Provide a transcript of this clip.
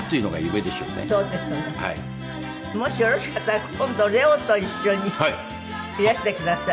もしよろしかったら今度レオと一緒にいらしてください。